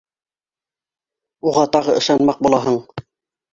Уға тағы ышанмаҡ булаһың.